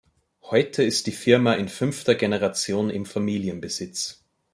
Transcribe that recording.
Heute ist die Firma in fünfter Generation im Familienbesitz.